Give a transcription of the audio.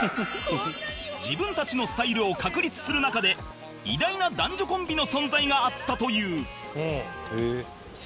自分たちのスタイルを確立する中で偉大な男女コンビの存在があったという